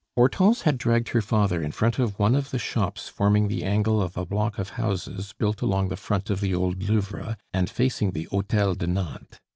Hortense had dragged her father in front of one of the shops forming the angle of a block of houses built along the front of the Old Louvre, and facing the Hotel de Nantes.